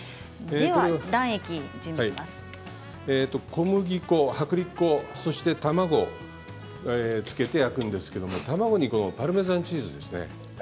小麦粉、薄力粉、そして卵それを漬けて焼くんですが卵にパルメザンチーズですね。